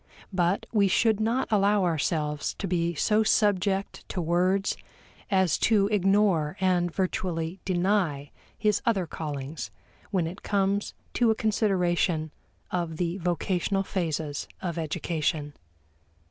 But we should not allow ourselves to be so subject to words as to ignore and virtually deny his other callings when it comes to a consideration of the vocational phases of education.